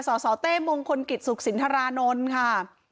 สสเต้มงคลกิจสุขสินทรานนท์ค่ะ